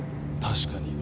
確かに。